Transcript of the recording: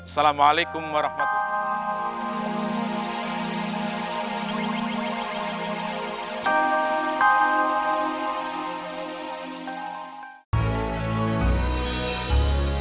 assalamualaikum warahmatullahi wabarakatuh